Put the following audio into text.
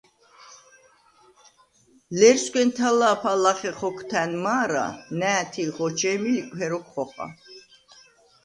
ლერსგვენ თა̄ლა̄ფა ლახე ხოქვთა̈ნ მა̄რა, ნა̄̈თი̄ ხოჩე̄მი ლიკვჰე როქვ ხოხა.